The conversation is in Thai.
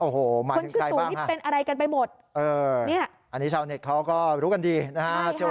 โอ้โหคนชื่อตู่นี่เป็นอะไรกันไปหมดอันนี้ชาวเน็ตเขาก็รู้กันดีนะฮะ